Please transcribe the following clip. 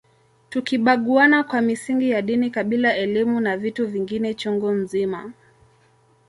Tukibaguana kwa misingi ya dini kabila elimu na vitu vingine chungu mzima